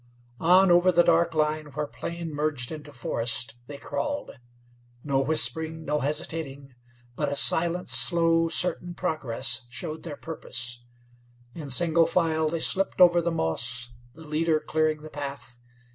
On over the dark line where plain merged into forest they crawled. No whispering, no hesitating; but a silent, slow, certain progress showed their purpose. In single file they slipped over the moss, the leader clearing the path.